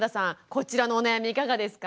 こちらのお悩みいかがですか？